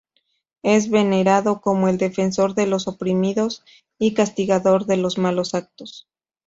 Es venerado como el defensor de los oprimidos y castigador de los malos actos.